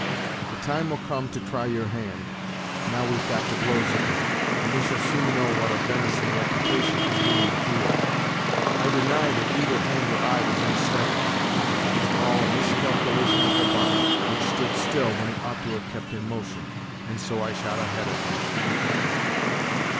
The time will come to try your hand, now we've got to blows ag'in, and we shall soon know what a ven'son reputation can do in the field. I deny that either hand or eye was onsteady; it was all a miscalculation of the buck, which stood still when he ought to have kept in motion, and so I shot ahead of him."